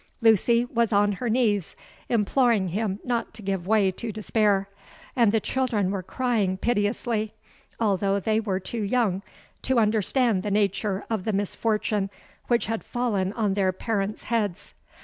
Lucy was on her knees, imploring him not to give way to despair; and the children were crying piteously, although they were too young to understand the nature of the misfortune which had fallen on their parents' heads.